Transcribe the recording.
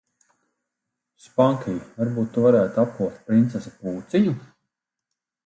Spankij, varbūt tu varētu apkopt princesi Pūciņu?